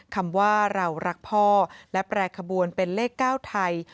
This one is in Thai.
คำว่าเรารักพ่อและแปรขบวนเป็นเลข๙ไทย